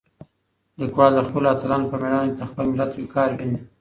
لیکوال د خپلو اتلانو په مېړانه کې د خپل ملت وقار وینه.